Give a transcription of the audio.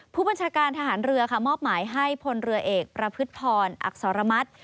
ผู้บัญชาการทหารเรือค่ะมอบหมายให้พลเรือเอกประพฤติพออักษรมัติ